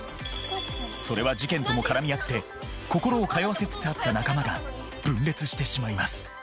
それは事件とも絡み合って心を通わせつつあった仲間が分裂してしまいます